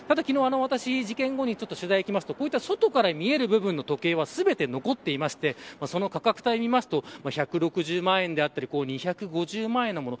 事件後に取材に行くと、こうして外から見える部分の時計は全て残っていましてその価格をみますと１６０万円だったり２５０万円のもの